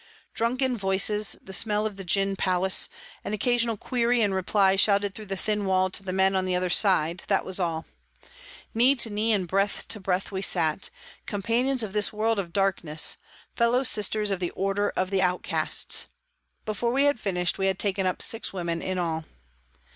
Drunken voices, the smell of the gin palace, an occasional query and reply shouted through the thin wall to the men on the other side, that was all. Knee to knee, and breath to breath we sat, companions of this world of darkness, fellow sisters of the order of the outcasts. Before we had finished, we had taken up six women in all.